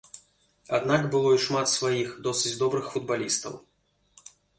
Аднак было і шмат сваіх, досыць добрых футбалістаў.